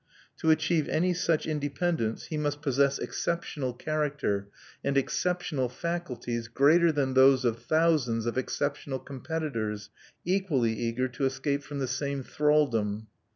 To achieve any such independence, he must possess exceptional character and exceptional faculties greater than those of thousands of exceptional competitors equally eager to escape from the same thralldom.